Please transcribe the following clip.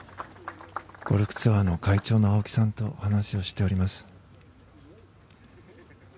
ゴルフツアーの会長の青木さんと話をしております。